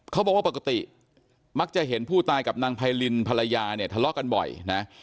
เขาบอกว่าปกติมักจะเห็นผู้ตายกับนางไพรินภรรยาเนี่ยทะเลาะกันบ่อยนะ